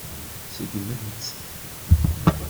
Seggmen-tt.